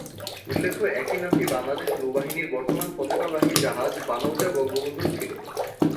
উল্লেখ একই নামটি বাংলাদেশ নৌবাহিনীর বর্তমান পতাকাবাহী জাহাজ বানৌজা বঙ্গবন্ধুর ছিল।